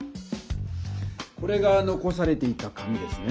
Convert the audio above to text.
これがのこされていた紙ですね。